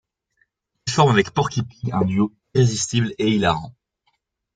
Il forme avec Porky Pig, un duo irrésistible et hilarant.